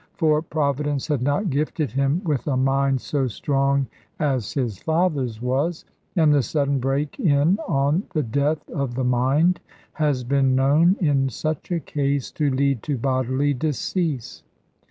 For Providence had not gifted him with a mind so strong as his father's was, and the sudden break in on the death of the mind has been known, in such a case, to lead to bodily decease.